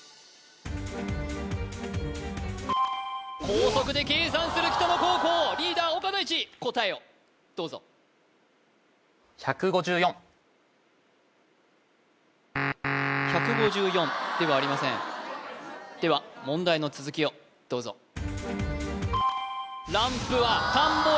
高速で計算する北野高校リーダー・岡大智答えをどうぞ１５４ではありませんでは問題の続きをどうぞランプは反保